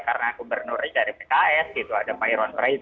karena gubernurnya dari pks gitu ada pak irwan praik